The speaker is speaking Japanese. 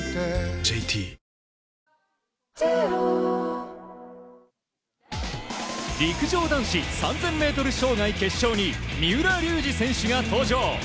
ＪＴ陸上男子３０００ｍ障害決勝に三浦龍司選手が登場。